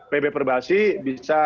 pb perbahasi bisa